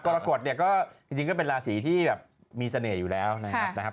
กรกฎเนี่ยก็จริงก็เป็นราศีที่แบบมีเสน่ห์อยู่แล้วนะครับ